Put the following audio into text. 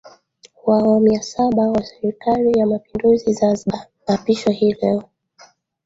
wa awamu ya saba wa serikali ya mapinduzi zanzibar aapishwa hii leo